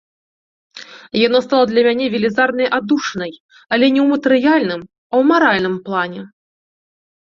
Яно стала для мяне велізарнай аддушынай, але не ў матэрыяльным, а ў маральным плане.